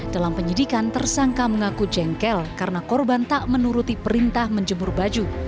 dalam penyidikan tersangka mengaku jengkel karena korban tak menuruti perintah menjemur baju